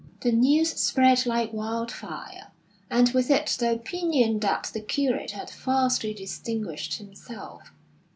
The news spread like wild fire, and with it the opinion that the curate had vastly distinguished himself.